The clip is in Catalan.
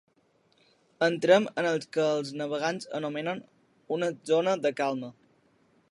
Entrem en el que els navegants anomenen una zona de calma.